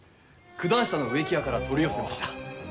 九段下の植木屋から取り寄せました。